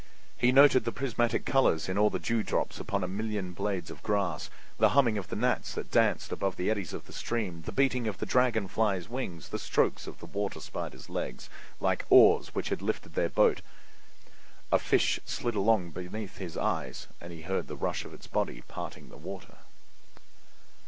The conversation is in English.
He noted the prismatic colors in all the dewdrops upon a million blades of grass. The humming of the gnats that danced above the eddies of the stream, the beating of the dragon flies' wings, the strokes of the water spiders' legs, like oars which had lifted their boat—all these made audible music. A fish slid along beneath his eyes and he heard the rush of its body parting the water.